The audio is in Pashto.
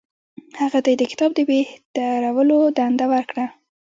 هغه ته یې د کتاب د بهترولو دنده ورکړه.